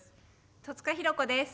戸塚寛子です。